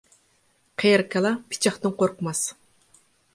قېرى كالا پىچاقتىن قورقماس.